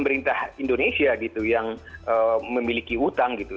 karena ini adalah harta indonesia gitu yang memiliki utang gitu